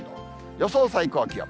予想最高気温。